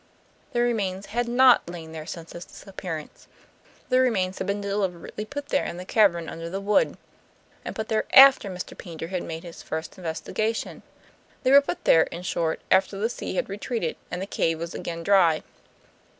The remains had NOT lain there since his disappearance. The remains had been deliberately put there in the cavern under the wood, and put there AFTER Mr. Paynter had made his first investigation. They were put there, in short, after the sea had retreated and the cave was again dry.